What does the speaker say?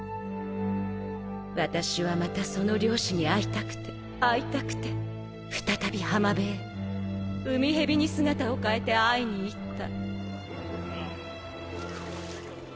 私はまたその漁師に会いたくて会いたくて再び浜辺へ海蛇に姿を変えて会いに行った。